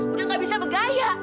udah nggak bisa bergaya